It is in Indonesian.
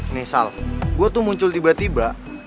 nih sal gue tuh muncul tiba tiba